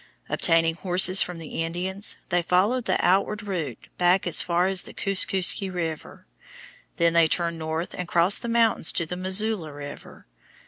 Obtaining horses from the Indians, they followed the outward route back as far as the Kooskooskie River. Then they turned north and crossed the mountains to the Missoula River.